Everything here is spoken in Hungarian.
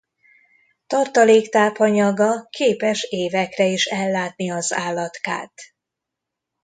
Tartalék tápanyaga képes évekre is ellátni az állatkát.